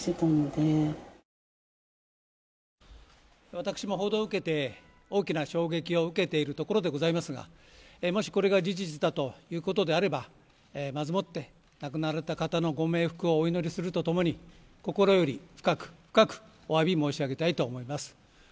私も報道を受けて大きな衝撃を受けているところでございますがもしこれが事実だということであればまずもって亡くなられた方のご冥福をお祈りすると共に心より、深く深くお詫び申し上げたいと思います。